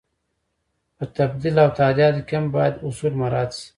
په تبدیل او تادیاتو کې هم باید اصول مراعت شي.